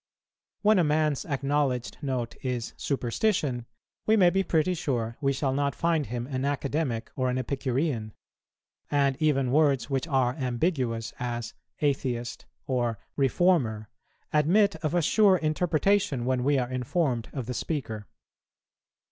When a man's acknowledged note is superstition, we may be pretty sure we shall not find him an Academic or an Epicurean; and even words which are ambiguous, as "atheist," or "reformer," admit of a sure interpretation when we are informed of the speaker.